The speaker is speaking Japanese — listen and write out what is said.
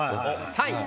３位。